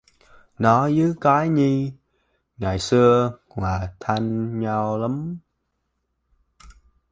Nó với cái Nhi ngày xưa là thân nhau lắm